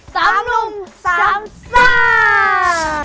สามลุงสามสาร